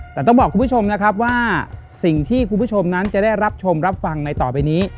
แต่ต้องบอกคุณผู้ชมนะครับว่าสิ่งที่คุณผู้ชมนั้นจะได้รับชมรับฟังในต่อไปนี้